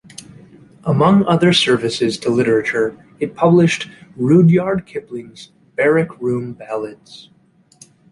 Among other services to literature it published Rudyard Kipling's "Barrack-Room Ballads".